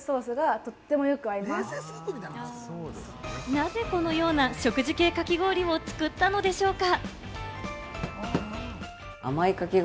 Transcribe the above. なぜこのような食事系かき氷を作ったのでしょうか？